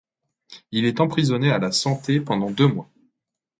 Il est emprisonné à la Santé pendant deux mois.